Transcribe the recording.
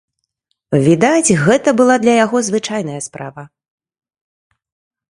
Відаць, гэта была для яго звычайная справа.